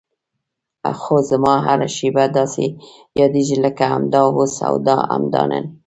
خو زما هره شېبه داسې یادېږي لکه همدا اوس او همدا نن.